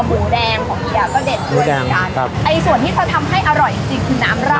หมูแดงของเฮียก็เด็ดด้วยเหมือนกันครับไอ้ส่วนที่จะทำให้อร่อยจริงจริงคือน้ำราด